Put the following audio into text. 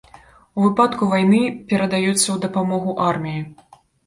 У выпадку вайны перадаюцца ў дапамогу арміі.